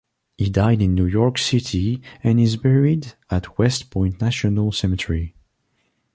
He died in New York City and is buried at West Point National Cemetery.